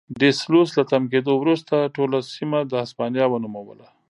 ډي سلوس له تم کېدو وروسته ټوله سیمه د هسپانیا ونوموله.